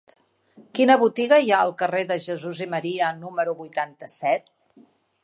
Quina botiga hi ha al carrer de Jesús i Maria número vuitanta-set?